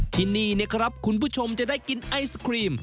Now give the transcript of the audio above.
ที่นี่นะครับคุณผู้ชมจะได้กินไอศครีม